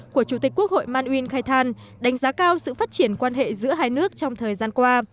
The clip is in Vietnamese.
của chủ tịch quốc hội man uyên khai thàn đánh giá cao sự phát triển quan hệ giữa hai nước trong thời gian qua